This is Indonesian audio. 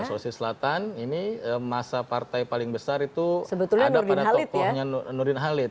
sulawesi selatan ini masa partai paling besar itu ada pada tokohnya nurdin halid